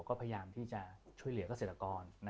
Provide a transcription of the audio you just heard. ก็พยายามช่วยเหลือกาเสถากร